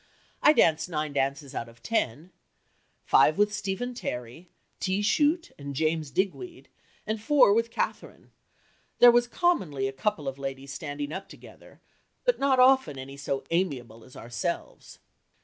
I danced nine dances out of ten five with Stephen Terry, T. Chute, and James Digweed, and four with Catherine. There was commonly a couple of ladies standing up together, but not often any so amiable as ourselves."